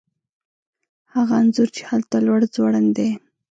هغه انځور چې هلته لوړ ځوړند دی